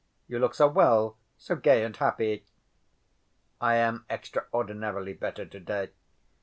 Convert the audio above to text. You look so well, so gay and happy." "I am extraordinarily better to‐day.